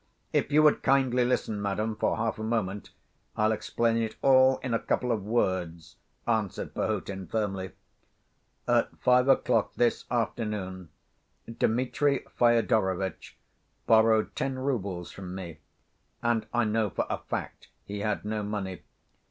"If you would kindly listen, madam, for half a moment, I'll explain it all in a couple of words," answered Perhotin, firmly. "At five o'clock this afternoon Dmitri Fyodorovitch borrowed ten roubles from me, and I know for a fact he had no money.